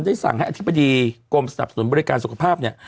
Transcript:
สั่งให้อธิบดีกรมสนับสนุนบริการสุขภาพเนี่ย